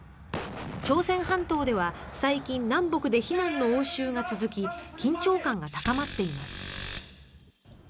朝鮮半島では最近南北で非難の応酬が続き緊張感が高まっています。